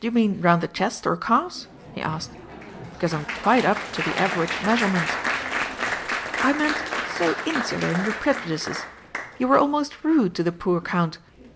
"D'you mean round the chest or calves?" he asked. "Because I'm quite up to the average measurements." "I meant, so insular in your prejudices. You were almost rude to the poor Count.